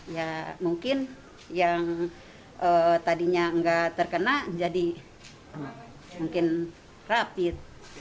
ya mungkin yang tadinya nggak terkena jadi mungkin rapid